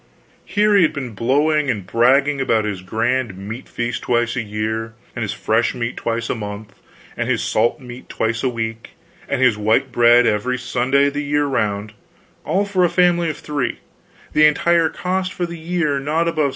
Here he had been blowing and bragging about his grand meat feast twice a year, and his fresh meat twice a month, and his salt meat twice a week, and his white bread every Sunday the year round all for a family of three; the entire cost for the year not above 69.